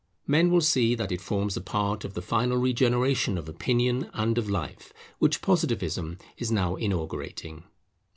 Men will see that it forms a part of the final regeneration of opinion and of life, which Positivism is now inaugurating.